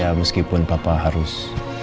ya meskipun papa harus